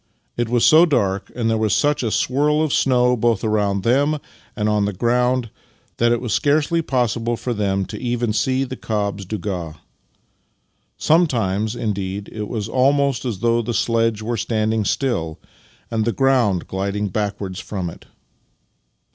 It was so dark, and there was such a swirl of snow both around them and on the ground, that it was scarcely possible for them even to see the cob's douga. Sometimes, indeed, it was almost as though the sledge were standing still and the ground gliding backwards from it.